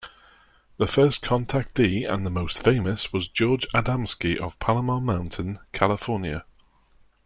The first contactee, and the most famous, was George Adamski of Palomar Mountain, California.